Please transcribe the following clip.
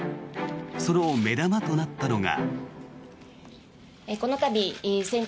その目玉となったのが。